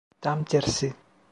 Tam tersi.